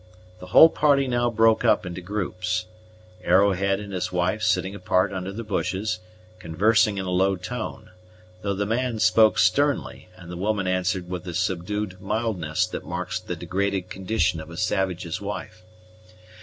The whole party now broke up into groups: Arrowhead and his wife sitting apart under the bushes, conversing in a low tone, though the man spoke sternly, and the woman answered with the subdued mildness that marks the degraded condition of a savage's wife.